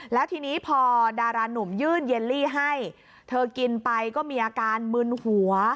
แล้วทีนี้พอดารานุ่มยื่นเยลลี่ให้เธอกินไปก็มีอาการมึนหัว